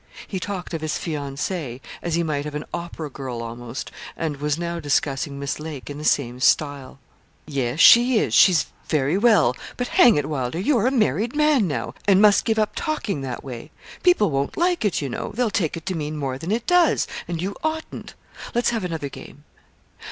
He talked of his fiancée as he might of an opera girl almost, and was now discussing Miss Lake in the same style. 'Yes, she is she's very well; but hang it, Wylder, you're a married man now, and must give up talking that way. People won't like it, you know; they'll take it to mean more than it does, and you oughtn't. Let us have another game.'